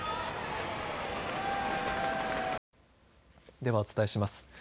ではお伝えします。